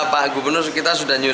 ya pak gubernur kita sudah nyatakan